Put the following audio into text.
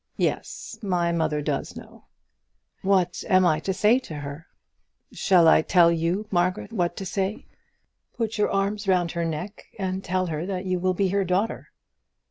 "Yes, my mother does know." "What am I to say to her?" "Shall I tell you, Margaret, what to say? Put your arms round her neck, and tell her that you will be her daughter."